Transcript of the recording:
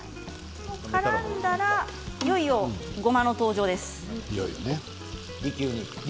からんだらいよいよごまの登場です。